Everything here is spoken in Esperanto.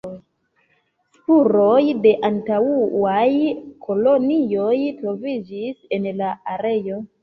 Spuroj de antaŭaj kolonioj troviĝis en la areo.